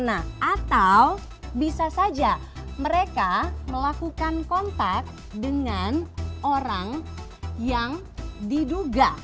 atau bisa saja mereka melakukan kontak dengan orang yang diduga